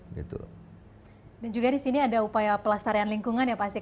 dan juga disini ada upaya pelastarian lingkungan ya pak